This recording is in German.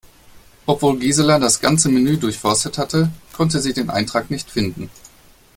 Obwohl Gisela das ganze Menü durchforstet hatte, konnte sie den Eintrag nicht finden.